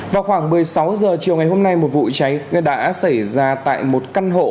vào khoảng một mươi sáu h chiều ngày hôm nay một vụ cháy đã xảy ra tại một căn hộ